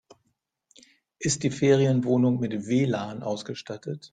Ist die Ferienwohnung mit WLAN ausgestattet?